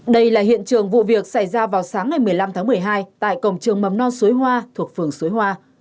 đây là hiện trường vụ việc xảy ra vào sáng ngày một mươi năm tháng một mươi hai tại cổng trường mắm non xuối hoa thuộc phường xuối hoa